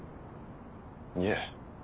いえ。